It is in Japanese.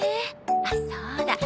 あっそうだ。